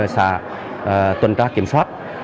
xã tuần trang kiểm soát